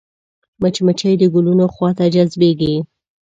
مچمچۍ د ګلونو خوا ته جذبېږي